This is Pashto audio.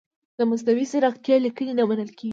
د مصنوعي ځیرکتیا لیکنې نه منل کیږي.